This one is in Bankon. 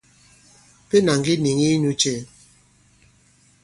Pên à ŋge nìŋi inyū cɛ̄ ?